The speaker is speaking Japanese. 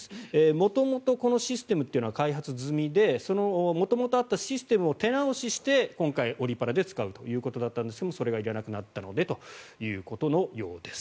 元々、このシステムは開発済みで元々あったシステムを手直しして今回、オリ・パラで使うということだったんですがそれがいらなくなったのでということのようです。